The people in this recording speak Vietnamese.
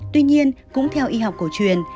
tuy nhiên cũng theo y học cổ truyền